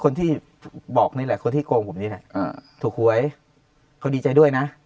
คนที่บอกนี่แหละคนที่โกงผมนี่แหละถูกหวยเขาดีใจด้วยนะ